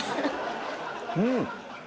うん！